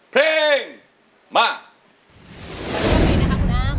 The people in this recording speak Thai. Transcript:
โชคดีนะครับคุณธรรม